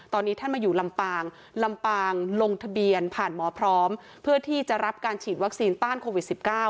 ตอนนี้ท่านมาอยู่ลำปางลำปางลงทะเบียนผ่านหมอพร้อมเพื่อที่จะรับการฉีดวัคซีนต้านโควิด๑๙